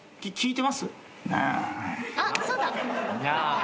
あっそうだ！